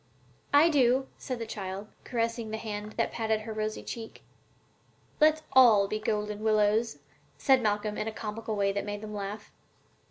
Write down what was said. "I do," said the child, caressing the hand that had patted her rosy cheek. "Let's all be golden willows," said Malcolm, in a comical way that made them laugh.